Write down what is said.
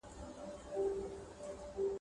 ملتونو به نړیوال اصول منله.